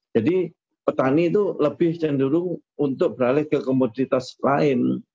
jadi petani itu lebih cenderung untuk beralih ke komoditas lain